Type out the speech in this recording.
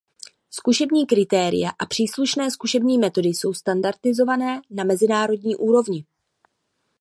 Zkušební kritéria a příslušné zkušební metody jsou standardizované na mezinárodní úrovni.